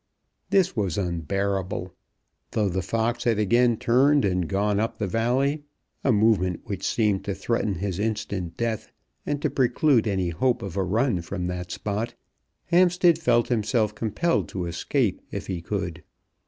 This was unbearable. Though the fox had again turned and gone up the valley, a movement which seemed to threaten his instant death, and to preclude any hope of a run from that spot, Hampstead felt himself compelled to escape, if he could.